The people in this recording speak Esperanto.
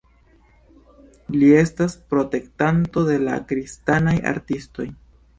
Li estas protektanto de la kristanaj artistoj.